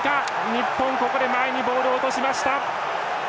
日本、前にボールを落としました。